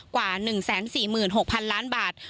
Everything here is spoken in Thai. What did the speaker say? กว่า๑๔๖๐๐๐ล้านบาท